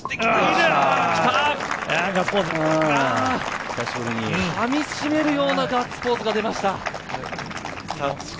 かみしめるようなガッツポーズが出ました。